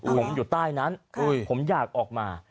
ผมอยู่ใต้นั้นผมอยากออกมา